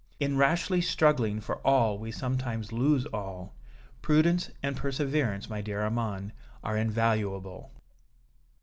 In rashly struggling for all we sometimes lose all. Prudence and perseverance, my dear Armand, are invaluable."